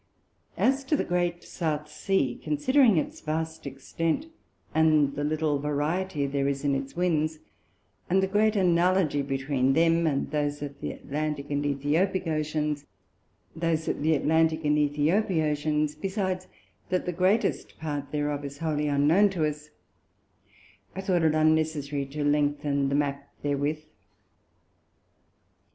As to the great South Sea, considering its vast Extent, and the little Variety there is in its Winds, and the great Analogy between them, and those of the Atlantick and Æthiopick Oceans; besides, that the greatest part thereof is wholly unknown to us; I thought it unnecessary to lengthen the Map therewith.